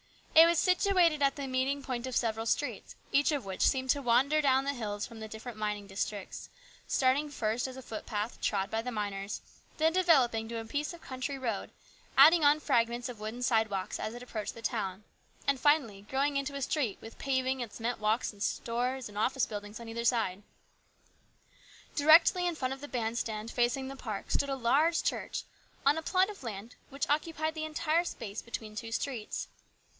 It was situated at the meet ing point of several streets, each of which seemed to wander down the hills from the different mining districts ; starting first as a footpath trod by the miners, then developing into a piece of country road, adding on fragments of wooden sidewalks as it approached the town, and finally growing into a street with paving and cement walks, and stores and office buildings on either side. Directly in front of the band stand, facing the park, stood a large church on a plot of land which occupied the entire space between two streets.